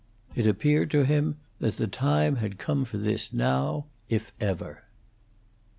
It appeared to him that the time had come for this now, if ever. XV.